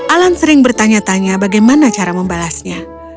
alan sering bertanya tanya bagaimana cara membalasnya